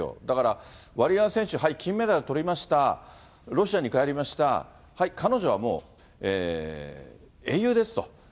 だから、ワリエワ選手、はい、金メダルとりました、ロシアに帰りました、はい、彼女はもう英雄ですと。